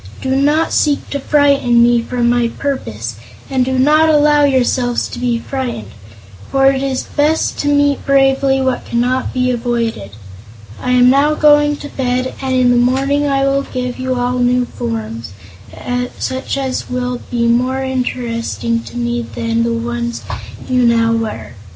"Do not seek to frighten me from my purpose, and do not allow yourselves to be frightened, for it is best to meet bravely what cannot be avoided. I am now going to bed, and in the morning I will give you all new forms, such as will be more interesting to me than the ones you now wear.